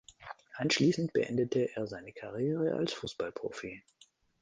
Anschließend beendete er seine Karriere als Fußballprofi.